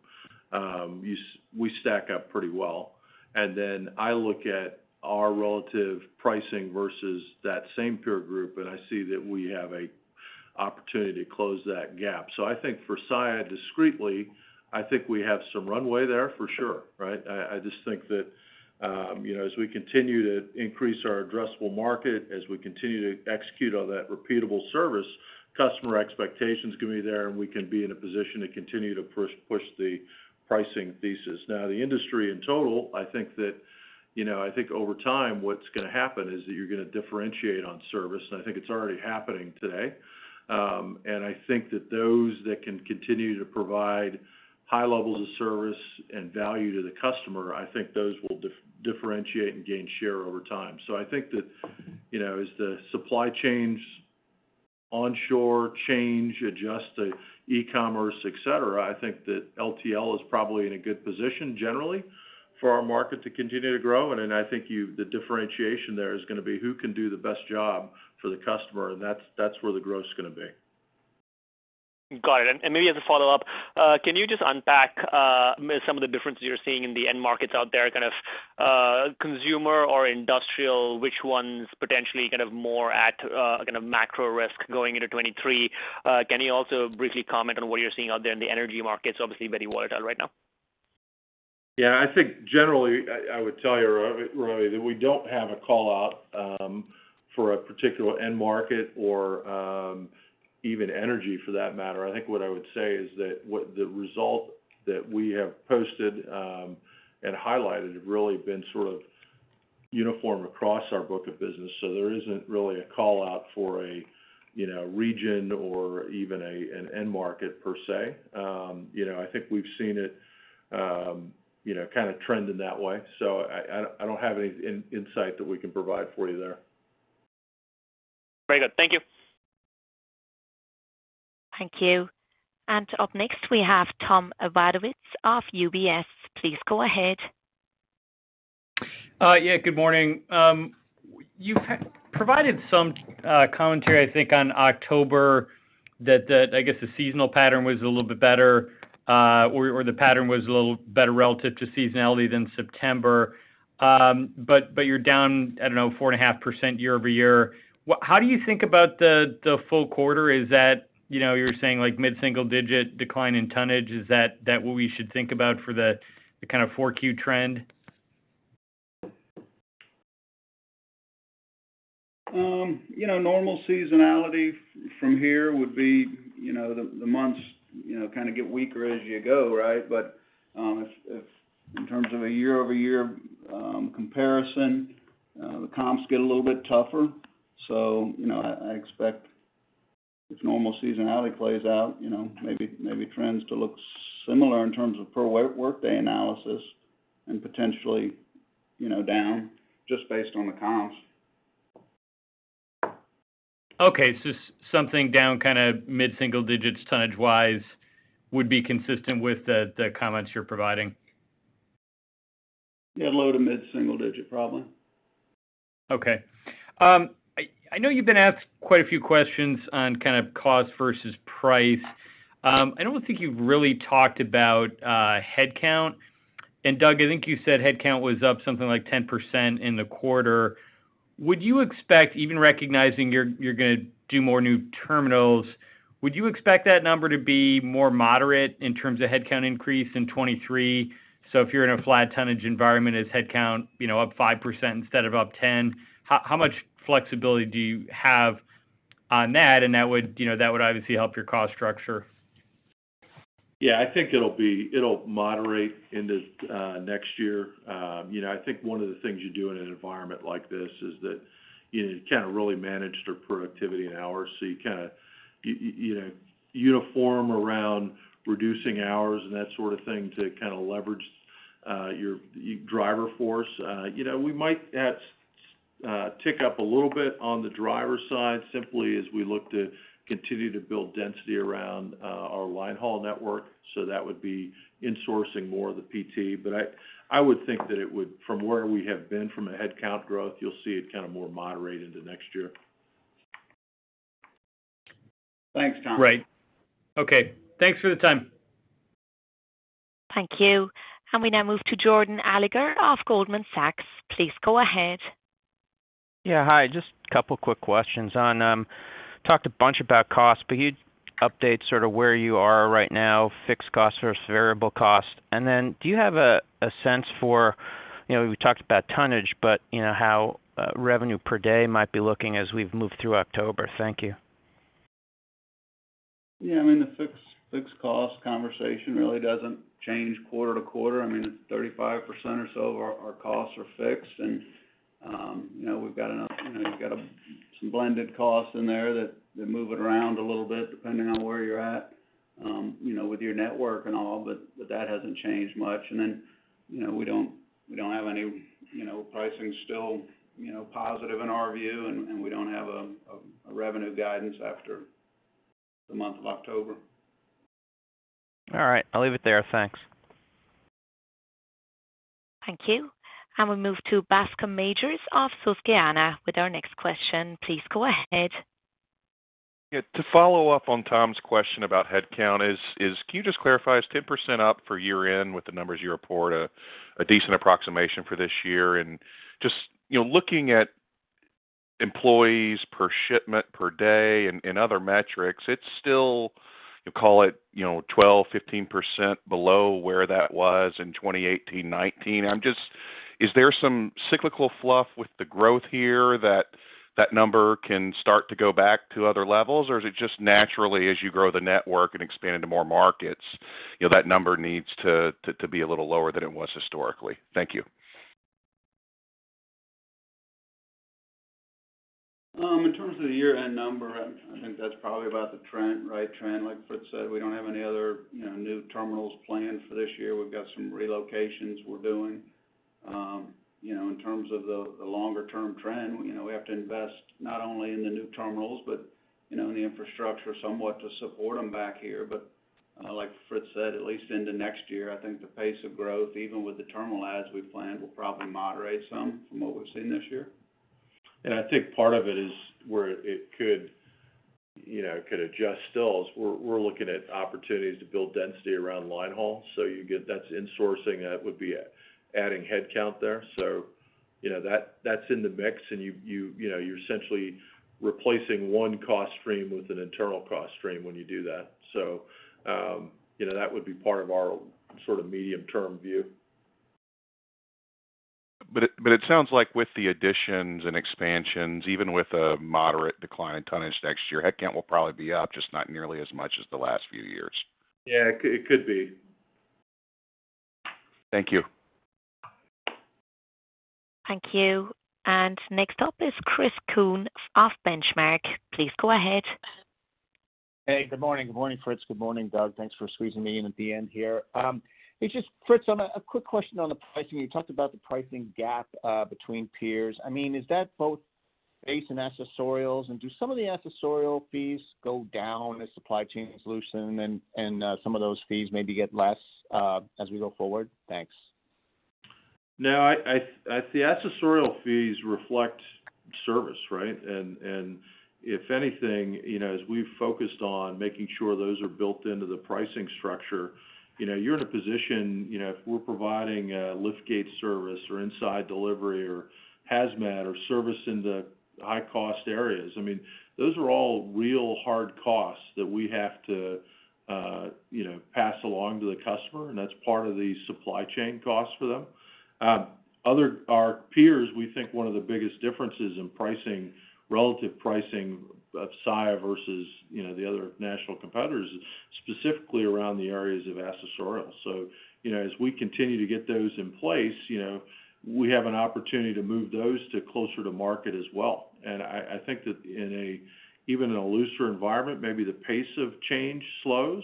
we stack up pretty well. Then I look at our relative pricing versus that same peer group, and I see that we have an opportunity to close that gap. I think for Saia discretely, I think we have some runway there for sure, right? I just think that, you know, as we continue to increase our addressable market, as we continue to execute on that repeatable service, customer expectations can be there, and we can be in a position to continue to push the pricing thesis. Now, the industry in total, I think that, you know, I think over time, what's gonna happen is that you're gonna differentiate on service, and I think it's already happening today. I think that those that can continue to provide high levels of service and value to the customer, I think those will differentiate and gain share over time. I think that, you know, as the supply chains onshore change, adjust to e-commerce, et cetera, I think that LTL is probably in a good position generally for our market to continue to grow, and then I think the differentiation there is gonna be who can do the best job for the customer, and that's where the growth is gonna be. Got it. Maybe as a follow-up, can you just unpack some of the differences you're seeing in the end markets out there, kind of, consumer or industrial, which one's potentially kind of more at, kind of macro risk going into 2023? Can you also briefly comment on what you're seeing out there in the energy markets? Obviously very volatile right now. Yeah. I think generally, I would tell you, Ravi, that we don't have a call out for a particular end market or even energy for that matter. I think what I would say is that what the result that we have posted and highlighted have really been sort of uniform across our book of business. There isn't really a call-out for a, you know, region or even an end market per se. I think we've seen it kind of trend in that way. I don't have any insight that we can provide for you there. Very good. Thank you. Thank you. Up next we have Tom Wadewitz of UBS. Please go ahead. Yeah, good morning. You've provided some commentary, I think on October that the I guess the seasonal pattern was a little bit better, or the pattern was a little better relative to seasonality than September. But you're down, I don't know, 4.5% year-over-year. How do you think about the full quarter? Is that, you know, you're saying like mid-single digit decline in tonnage, is that what we should think about for the kind of 4Q trend? You know, normal seasonality from here would be, you know, the months, you know, kind of get weaker as you go, right? If in terms of a year-over-year comparison, the comps get a little bit tougher. You know, I expect if normal seasonality plays out, you know, maybe trends to look similar in terms of per workday analysis and potentially, you know, down just based on the comps. Okay. Something down kinda mid-single digits tonnage-wise would be consistent with the comments you're providing. Yeah, low to mid-single digit, probably. Okay. I know you've been asked quite a few questions on kind of cost versus price. I don't think you've really talked about headcount. Doug, I think you said headcount was up something like 10% in the quarter. Would you expect, even recognizing you're gonna do more new terminals, would you expect that number to be more moderate in terms of headcount increase in 2023? If you're in a flat tonnage environment, is headcount, you know, up 5% instead of up 10? How much flexibility do you have on that? That would, you know, that would obviously help your cost structure. Yeah, I think it'll moderate into next year. You know, I think one of the things you do in an environment like this is that you kinda really manage their productivity and hours, so you kinda you know uniform around reducing hours and that sort of thing to kinda leverage your driver force. You know, we might tick up a little bit on the driver side simply as we look to continue to build density around our line haul network, so that would be insourcing more of the PT. I would think that it would. From where we have been in headcount growth, you'll see it kind of more moderate into next year. Thanks, Tom. Right. Okay, thanks for the time. Thank you. We now move to Jordan Alliger of Goldman Sachs. Please go ahead. Yeah, hi. Just a couple quick questions on talked a bunch about cost, but can you update sort of where you are right now, fixed cost versus variable cost. Then do you have a sense for, you know, we talked about tonnage, but you know, how revenue per day might be looking as we've moved through October? Thank you. Yeah, I mean, the fixed cost conversation really doesn't change quarter to quarter. I mean, it's 35% or so of our costs are fixed and, you know, we've got some blended costs in there that they're moving around a little bit depending on where you're at, you know, with your network and all, but that hasn't changed much. Then, you know, we don't have any, you know, pricing still, you know, positive in our view, and we don't have a revenue guidance after the month of October. All right. I'll leave it there. Thanks. Thank you. We move to Bascome Majors of Susquehanna with our next question. Please go ahead. Yeah. To follow up on Tom's question about headcount, can you just clarify, is 10% up for year-end with the numbers you report a decent approximation for this year? Just, you know, looking at employees per shipment per day and other metrics, it's still, you call it, you know, 12%, 15% below where that was in 2018, 2019. I'm just. Is there some cyclical fluff with the growth here that that number can start to go back to other levels? Or is it just naturally as you grow the network and expand into more markets, you know, that number needs to be a little lower than it was historically? Thank you. In terms of the year-end number, I think that's probably about the right trend. Like Fritz said, we don't have any other, you know, new terminals planned for this year. We've got some relocations we're doing. You know, in terms of the longer-term trend, you know, we have to invest not only in the new terminals, but you know, in the infrastructure somewhat to support them back here. Like Fritz said, at least into next year, I think the pace of growth, even with the terminal adds we planned, will probably moderate some from what we've seen this year. I think part of it is where it could, you know, adjust still is we're looking at opportunities to build density around line haul. That's insourcing, that would be adding headcount there. You know, that's in the mix and you know, you're essentially replacing one cost stream with an internal cost stream when you do that. You know, that would be part of our sort of medium term view. It sounds like with the additions and expansions, even with a moderate decline in tonnage next year, headcount will probably be up, just not nearly as much as the last few years. Yeah. It could be. Thank you. Thank you. Next up is Chris Kuhn of Benchmark. Please go ahead. Hey, good morning. Good morning, Fritz. Good morning, Doug. Thanks for squeezing me in at the end here. It's just, Fritz, on a quick question on the pricing. You talked about the pricing gap between peers. I mean, is that both base and accessorials? Do some of the accessorial fees go down as supply chains loosen and some of those fees maybe get less as we go forward? Thanks. No, the accessorial fees reflect service, right? If anything, you know, as we've focused on making sure those are built into the pricing structure, you know, you're in a position, you know, if we're providing a lift gate service or inside delivery or hazmat or service in the high-cost areas, I mean, those are all real hard costs that we have to, you know, pass along to the customer, and that's part of the supply chain cost for them. Our peers, we think one of the biggest differences in pricing, relative pricing of Saia versus, you know, the other national competitors is specifically around the areas of accessorial. You know, as we continue to get those in place, you know, we have an opportunity to move those to closer to market as well. I think that even in a looser environment, maybe the pace of change slows,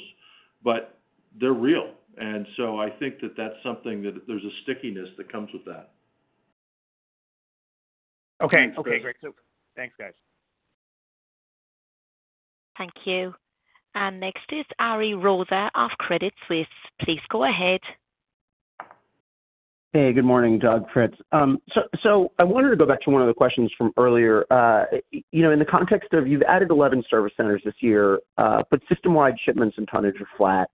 but they're real. I think that that's something that there's a stickiness that comes with that. Okay. Okay, great. Thanks, guys. Thank you. Next is Ariel Rosa of Credit Suisse. Please go ahead. Hey, good morning, Doug, Fritz. I wanted to go back to one of the questions from earlier. You know, in the context of you've added 11 service centers this year, but system-wide shipments and tonnage are flat.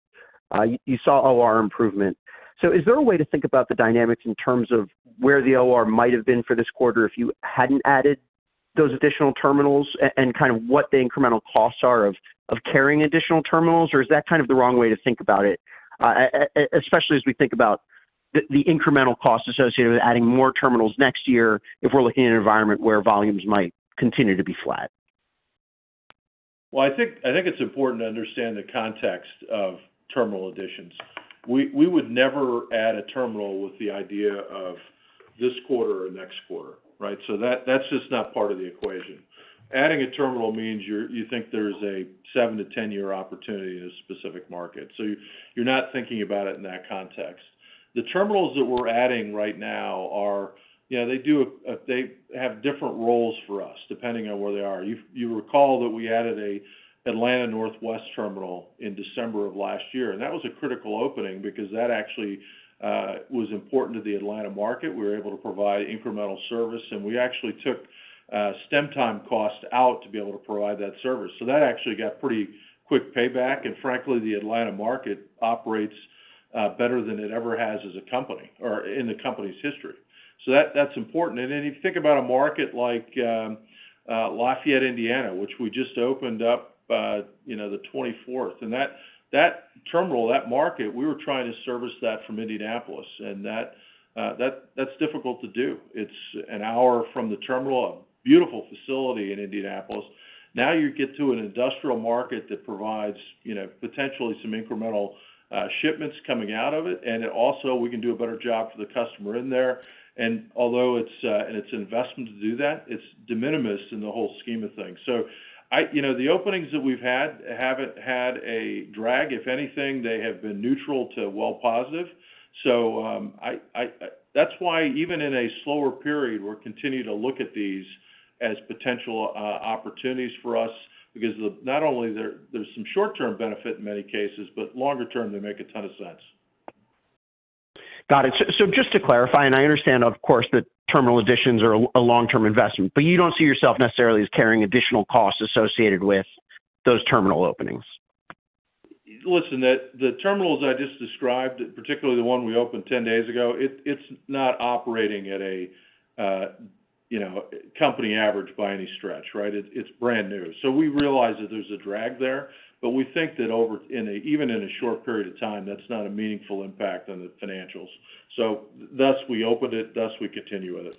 You saw OR improvement. Is there a way to think about the dynamics in terms of where the OR might have been for this quarter if you hadn't added those additional terminals and kind of what the incremental costs are of carrying additional terminals? Is that kind of the wrong way to think about it, especially as we think about the incremental cost associated with adding more terminals next year if we're looking at an environment where volumes might continue to be flat? I think it's important to understand the context of terminal additions. We would never add a terminal with the idea of this quarter or next quarter, right? That’s just not part of the equation. Adding a terminal means you think there’s a seven-10-year opportunity in a specific market, so you’re not thinking about it in that context. The terminals that we’re adding right now are. Yeah, they do, they have different roles for us, depending on where they are. You recall that we added an Atlanta Northwest terminal in December of last year, and that was a critical opening because that actually was important to the Atlanta market. We were able to provide incremental service, and we actually took stem time costs out to be able to provide that service. That actually got pretty quick payback. Frankly, the Atlanta market operates better than it ever has as a company or in the company's history. That's important. Then if you think about a market like Lafayette, Indiana, which we just opened up, you know, the 24th, that terminal, that market, we were trying to service that from Indianapolis, and that that's difficult to do. It's an hour from the terminal. A beautiful facility in Indianapolis. Now you get to an industrial market that provides, you know, potentially some incremental shipments coming out of it. It also, we can do a better job for the customer in there. Although it's an investment to do that, it's de minimis in the whole scheme of things. I You know, the openings that we've had haven't had a drag. If anything, they have been neutral to well positive. That's why even in a slower period, we'll continue to look at these as potential opportunities for us, because not only there's some short-term benefit in many cases, but longer term they make a ton of sense. Got it. Just to clarify, and I understand of course, that terminal additions are a long-term investment, but you don't see yourself necessarily as carrying additional costs associated with those terminal openings. Listen, the terminals I just described, particularly the one we opened 10 days ago, it's not operating at a you know, company average by any stretch, right? It's brand new. We realize that there's a drag there. We think that, even in a short period of time, that's not a meaningful impact on the financials. Thus we opened it, thus we continue with it.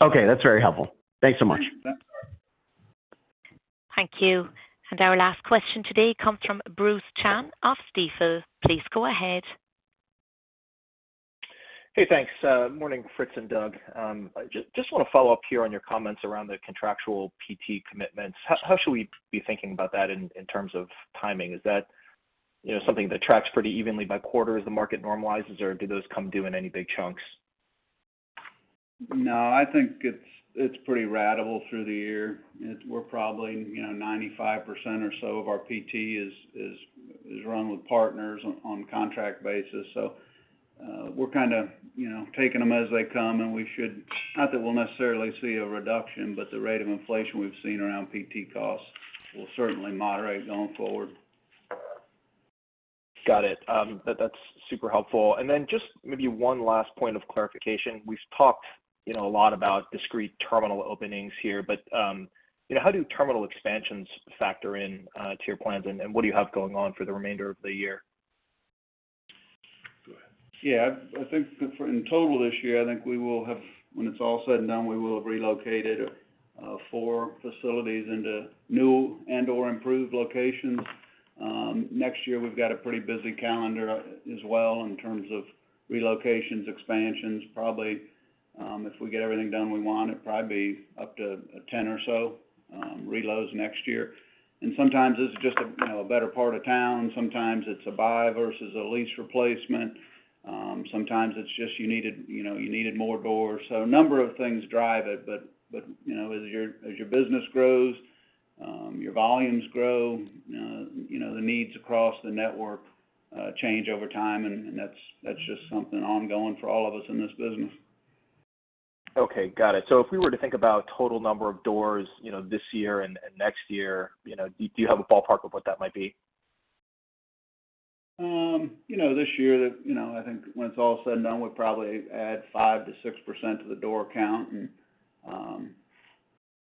Okay, that's very helpful. Thanks so much. Yeah. Thank you. Our last question today comes from Bruce Chan of Stifel. Please go ahead. Hey, thanks. Morning, Fritz and Doug. Just wanna follow up here on your comments around the contractual PT commitments. How should we be thinking about that in terms of timing? Is that, you know, something that tracks pretty evenly by quarter as the market normalizes, or do those come due in any big chunks? No, I think it's pretty ratable through the year. We're probably, you know, 95% or so of our PT is run with partners on contract basis. We're kind of, you know, taking them as they come, and we should. Not that we'll necessarily see a reduction, but the rate of inflation we've seen around PT costs will certainly moderate going forward. Got it. That's super helpful. Just maybe one last point of clarification. We've talked, you know, a lot about discrete terminal openings here, but, you know, how do terminal expansions factor in to your plans and what do you have going on for the remainder of the year? Go ahead. Yeah, I think in total this year, I think we will have, when it's all said and done, we will have relocated four facilities into new and or improved locations. Next year we've got a pretty busy calendar as well in terms of relocations, expansions. Probably, if we get everything done we want, it'd probably be up to 10 or so relos next year. Sometimes it's just a, you know, a better part of town. Sometimes it's a buy versus a lease replacement. Sometimes it's just you needed, you know, more doors. A number of things drive it. You know, as your business grows, your volumes grow. You know, the needs across the network change over time, and that's just something ongoing for all of us in this business. Okay, got it. If we were to think about total number of doors, you know, this year and next year, you know, do you have a ballpark of what that might be? You know, this year, you know, I think when it's all said and done, we'll probably add 5%-6% to the door count.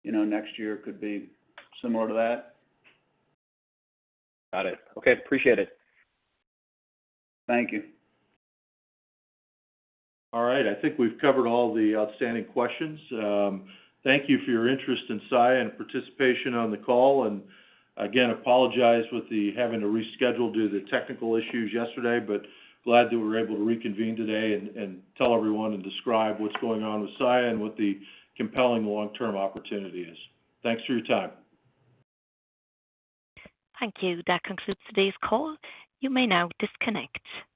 You know, next year could be similar to that. Got it. Okay, appreciate it. Thank you. All right. I think we've covered all the outstanding questions. Thank you for your interest in Saia and participation on the call. Again, apologize with the having to reschedule due to technical issues yesterday, but glad that we were able to reconvene today and tell everyone and describe what's going on with Saia and what the compelling long-term opportunity is. Thanks for your time. Thank you. That concludes today's call. You may now disconnect.